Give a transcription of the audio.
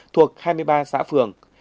thuộc hai mươi ba xã phường